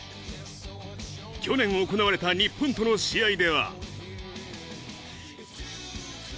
去年行われた日本との試合では。